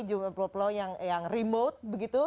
jumlah pulau pulau yang remote begitu